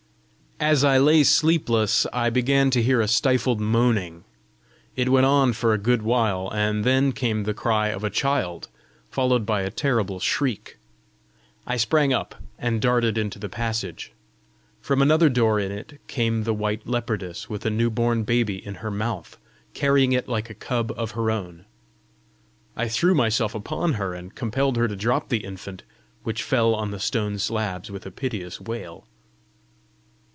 As I lay sleepless, I began to hear a stifled moaning. It went on for a good while, and then came the cry of a child, followed by a terrible shriek. I sprang up and darted into the passage: from another door in it came the white leopardess with a new born baby in her mouth, carrying it like a cub of her own. I threw myself upon her, and compelled her to drop the infant, which fell on the stone slabs with a piteous wail.